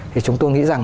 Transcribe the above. thì chúng tôi nghĩ rằng